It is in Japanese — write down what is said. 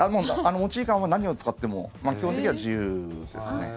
持ち時間は何に使っても基本的には自由ですね。